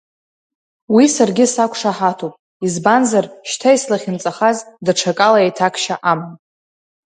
Уи саргьы сақәшаҳаҭуп, избанзар, шьҭа ислахьынҵахаз даҽакала еиҭакшьа амам!